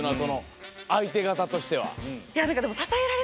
相手方としては。